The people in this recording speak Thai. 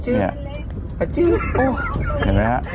เห็นไหมฮะ